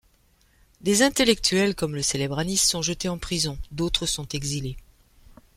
Des intellectuels comme le célèbre Anis sont jetés en prison, d'autres sont exilés.